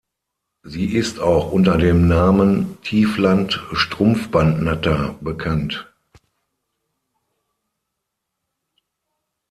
Sie ist auch unter dem Namen Tiefland-Strumpfbandnatter bekannt.